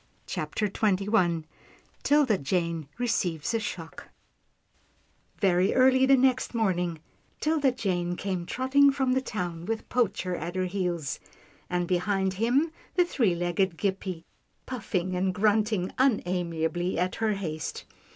CHAPTER XXI 'tilda jane receives a shock Very early the next morning, 'Tilda Jane came trotting from the town with Poacher at her heels, and behind him, the three legged Gippie, puffing and grunting unamiably at her haste.